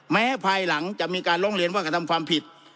ภายหลังจะมีการร้องเรียนว่ากระทำความผิด